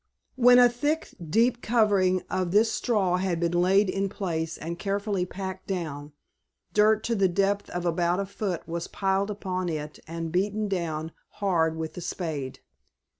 When a thick, deep covering of this straw had been laid in place and carefully packed down, dirt to the depth of about a foot was piled upon it and beaten down hard with the spade.